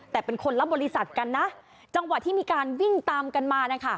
แต่เป็นคนละบริษัทกันนะจังหวะที่มีการวิ่งตามกันมานะคะ